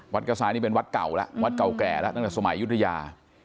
กระซ้ายนี่เป็นวัดเก่าแล้ววัดเก่าแก่แล้วตั้งแต่สมัยยุธยา